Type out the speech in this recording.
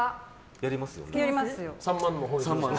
やりますよ。